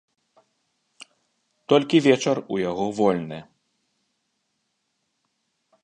Толькі вечар у яго вольны.